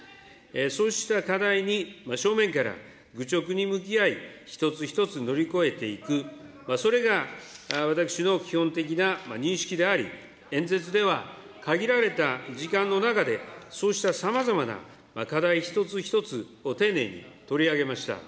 そうした課題に正面から愚直に向き合い、一つ一つ乗り越えていく、それが私の基本的な認識であり、演説では限られた時間の中で、そうしたさまざまな課題一つ一つを丁寧に取り上げました。